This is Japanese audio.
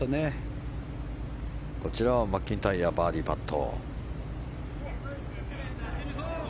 こちらはマッキンタイヤバーディーパット。